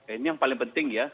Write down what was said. ini yang paling penting ya